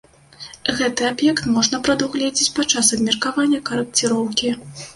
Гэты аб'ект можна прадугледзець падчас абмеркавання карэкціроўкі.